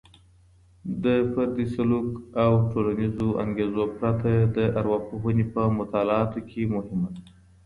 د فردي سلوک او ټولنیزو انګیزو پرتله د ارواپوهني په مطالعاتو کي مهمه ده.